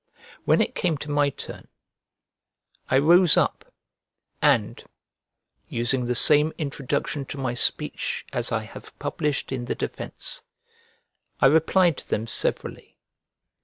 When it came to my turn, I rose up, and, using the same introduction to my speech as I have published in the defence, I replied to them severally.